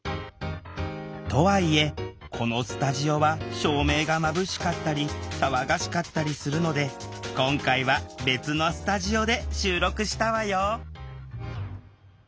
とはいえこのスタジオは照明がまぶしかったり騒がしかったりするので今回は別のスタジオで収録したわよ